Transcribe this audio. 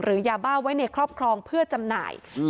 ยาบ้าไว้ในครอบครองเพื่อจำหน่าย